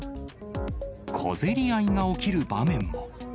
小競り合いが起きる場面も。